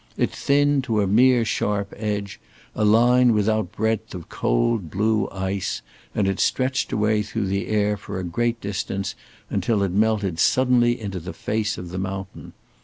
It thinned to a mere sharp edge, a line without breadth of cold blue ice, and it stretched away through the air for a great distance until it melted suddenly into the face of the mountain.